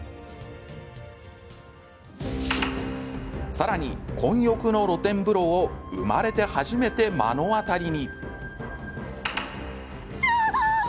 さらに、混浴の露天風呂を生まれて初めて目の当たりに。